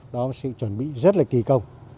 đó là sự chuẩn bị rất là kỳ công